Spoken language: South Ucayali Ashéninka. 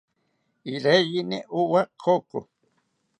Iraiyini owa koko